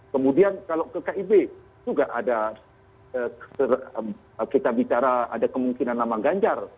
kemudian kalau ke kib juga ada kita bicara ada kemungkinan nama ganjar